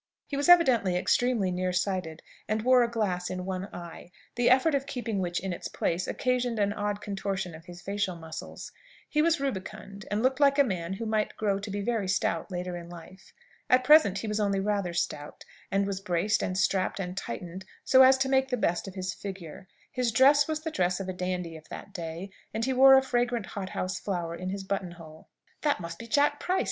He was evidently extremely near sighted, and wore a glass in one eye, the effort of keeping which in its place occasioned an odd contortion of his facial muscles. He was rubicund, and looked like a man who might grow to be very stout later in life. At present he was only rather stout, and was braced, and strapped, and tightened, so as to make the best of his figure. His dress was the dress of a dandy of that day, and he wore a fragrant hothouse flower in his button hole. "That must be Jack Price!"